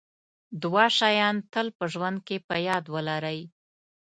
دوه شیان تل په ژوند کې په یاد ولرئ.